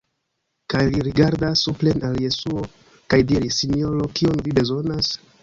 Kaj li rigardas supren al Jesuo kaj diris: "Sinjoro, kion vi bezonas?"